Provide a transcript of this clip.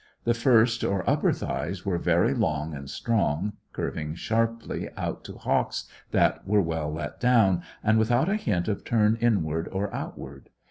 The first or upper thighs were very long and strong, curving sharply out to hocks that were well let down, and without a hint of turn inward or outward.